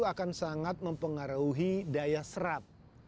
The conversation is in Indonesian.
akan sangat mempengaruhi daya serap